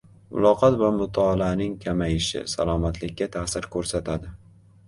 Muloqot va mutolaaning kamayishi — salomatlikka ta’sir ko‘rsatadi